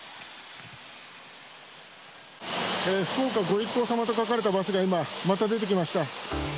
福岡御一行様と書かれたバスが今、また出てきました。